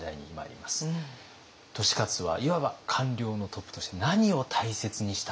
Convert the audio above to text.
利勝はいわば官僚のトップとして何を大切にしたのか。